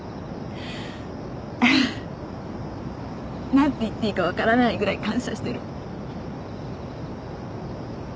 何て言っていいか分からないぐらい感謝してる。